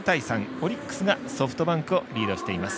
オリックスがソフトバンクをリードしています。